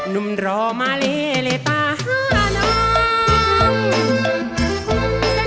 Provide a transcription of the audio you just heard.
นุ่มรอมาเละเละตาห้าน้ำ